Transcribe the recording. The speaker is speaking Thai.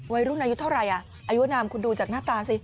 วัยรุ่นอายุเท่าไรอ่ะอายุอนามคุณดูจากหน้าตาสิ